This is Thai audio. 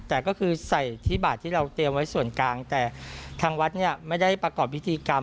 แต่ก็คือใส่ที่บาทที่เราเตรียมไว้ส่วนกลางแต่ทางวัดเนี่ยไม่ได้ประกอบพิธีกรรม